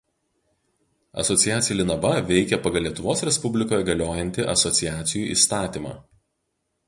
Asociacija „Linava“ veikia pagal Lietuvos Respublikoje galiojantį asociacijų įstatymą.